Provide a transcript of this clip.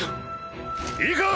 いいか。